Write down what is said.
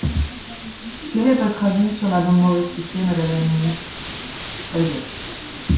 » Quel est votre avis sur l’amendement rectifié, madame la ministre ? Sagesse.